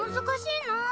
難しいな。